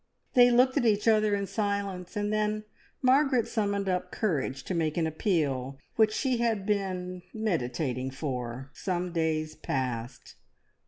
They looked at each other in silence, and then Margaret summoned up courage to make an appeal which she had been meditating for some days past.